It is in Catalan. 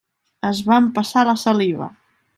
Es va empassar la saliva.